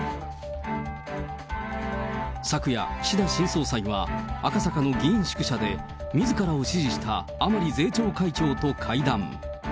昨夜、岸田新総裁は、赤坂の議員宿舎でみずからを支持した甘利税調会長と会談。